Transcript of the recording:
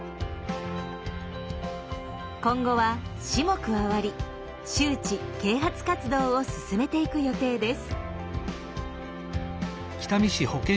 今後は市も加わり周知啓発活動を進めていく予定です。